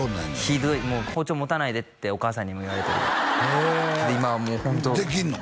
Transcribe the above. ひどいもう包丁持たないでってお母さんにも言われてる今はもうホントできるの？